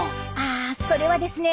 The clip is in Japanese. あそれはですね